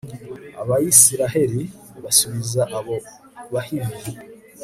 abayisraheli basubiza abo bahivi